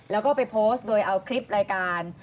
แล้วก็ไปโพสต์โดยเอาคลิปรายการ